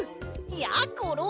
やころ！